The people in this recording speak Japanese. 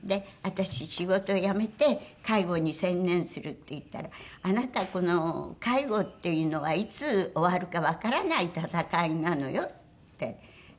「私仕事辞めて介護に専念する」って言ったら「あなたこの介護っていうのはいつ終わるかわからない闘いなのよ」って。